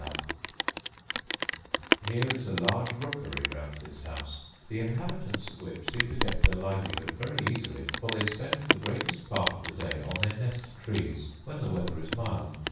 Here is a large rookery round this house, the inhabitants of which seem to get their livelihood very easily; for they spend the greatest part of the day on their nest trees when the weather is mild.